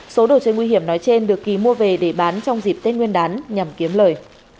số đồ chơi nguy hiểm nói trên được kỳ mua về để bán trong dịp tết nguyên đán nhằm kiếm lời